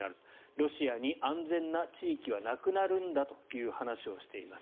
ロシアに安全な地域はなくなるんだという話をしています。